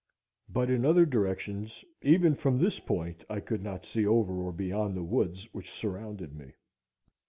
But in other directions, even from this point, I could not see over or beyond the woods which surrounded me.